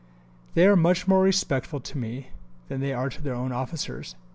They are much more respectful to me than they are to their own officers.